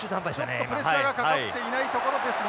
ちょっとプレッシャーがかかっていない所ですが。